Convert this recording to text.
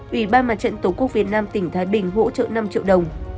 ủy ban mặt trận tổ quốc việt nam tỉnh thái bình hỗ trợ năm triệu đồng